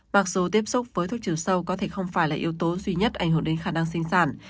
mặc dù tiếp xúc với thuốc trừ sâu có thể không phải là yếu tố duy nhất ảnh hưởng đến khả năng sinh sản